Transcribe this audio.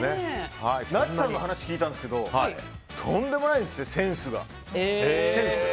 なつさんにも話を聞いたんですけどとんでもないんですよ、センスが。